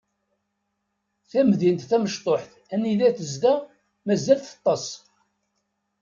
Tamdint tamecṭuḥt anida tezdeɣ mazal teṭṭes.